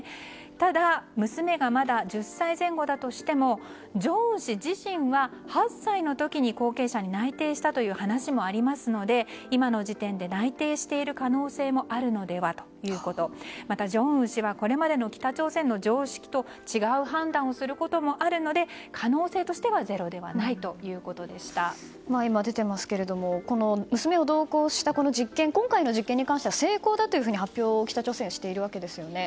ただ、娘がまだ１０歳前後だとしても正恩氏自身は８歳の時に後継者に内定したという話もありますので今の時点で内定している可能性もあるのではということまた、正恩氏はこれまでの北朝鮮の常識と違う判断をすることもあるので可能性としては今、出ていますけども娘が同行した実験今回の実験に関しては成功だというふうに北朝鮮は発表していますよね。